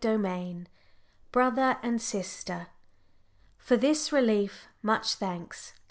CHAPTER XI. BROTHER AND SISTER. "For this relief, much thanks."